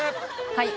はい。